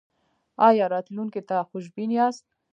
ایا راتلونکي ته خوشبین یاست؟